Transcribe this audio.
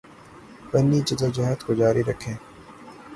پنی جدوجہد کو جاری رکھیں